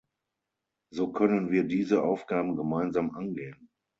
So können wir diese Aufgaben gemeinsam angehen.